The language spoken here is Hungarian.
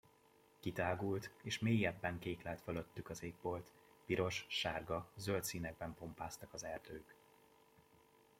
Kitágult, és mélyebben kéklett fölöttük az égbolt, piros, sárga, zöld színekben pompáztak az erdők.